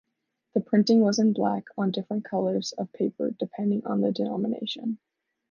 The printing was in black, on different colors of paper depending on the denomination.